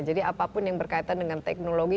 apapun yang berkaitan dengan teknologi